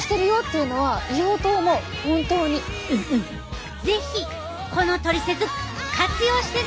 うんうん是非このトリセツ活用してな！